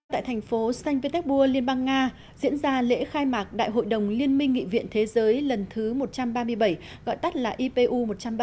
tại thành phố saint petersburg liên bang nga diễn ra lễ khai mạc đại hội đồng liên minh nghị viện thế giới lần thứ một trăm ba mươi bảy gọi tắt là ipu một trăm ba mươi